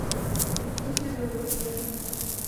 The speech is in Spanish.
Página web oficial.